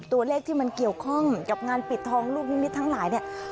ตัวเลขที่มันเกี่ยวข้องกับงานปิดทองลูกนิมิตทั้งหลายเนี่ย